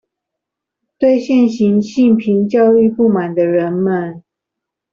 對現行性平教育不滿的人們